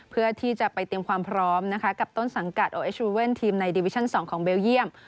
เพื่อที่จะไปเตรียมความพร้อมนะคะกับต้นสังกัดโอเอสรูเว่นทีมในดิวิชั่น๒ของเบลเยี่ยม